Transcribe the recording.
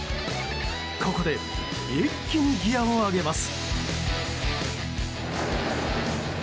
ここで一気にギアを上げます。